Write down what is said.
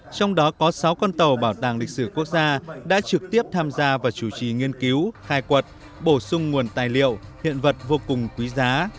trong đó có sáu con tàu bảo tàng lịch sử quốc gia đã trực tiếp tham gia và chủ trì nghiên cứu khai quật bổ sung nguồn tài liệu hiện vật vô cùng quý giá